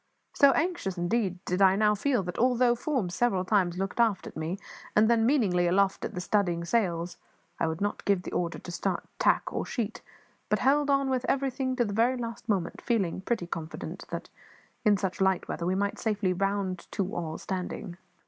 So anxious, indeed, did I now feel that, although Forbes several times looked aft at me, and then meaningly aloft at the studding sails, I would not give the order to start tack or sheet, but held on with everything to the very last moment, feeling pretty confident that, in such light weather, we might safely round to all standing.